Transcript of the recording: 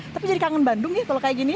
tapi jadi kangen bandung ya kalau kayak gini